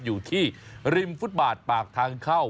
อยู่ที่ริมฟุตบาทปากทางเข้า